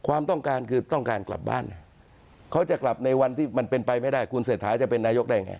ความต้องการคือต้องการกลับบ้านเขาจะกลับในวันที่มันเป็นไปไม่ได้คุณเศรษฐาจะเป็นนายกได้ไง